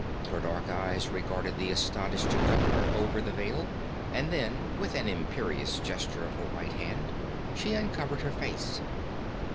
Her dark eyes regarded the astonished governor over the veil, and then with an imperious gesture of her white hand, she uncovered her face.